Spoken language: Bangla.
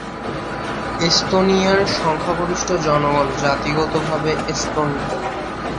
এস্তোনিয়ার সংখ্যাগরিষ্ঠ জনগণ জাতিগতভাবে এস্তোনীয়।